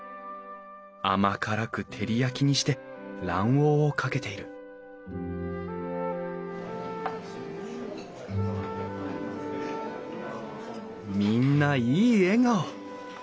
甘辛く照り焼きにして卵黄をかけているみんないい笑顔。